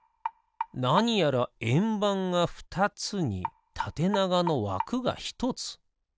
なにやらえんばんがふたつにたてながのわくがひとつ。